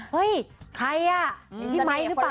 เฮ้ยใครอะ